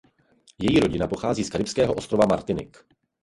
Její rodina pochází z karibského ostrova Martinik.